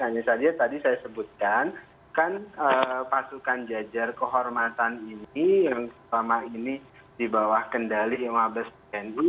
hanya saja tadi saya sebutkan kan pasukan jajar kehormatan ini yang selama ini di bawah kendali mabes tni